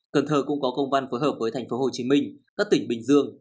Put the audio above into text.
cần thơ cũng có công văn phối hợp với thành phố hồ chí minh các tỉnh bình dương